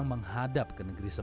namun siapa nanya lpang ini ya thora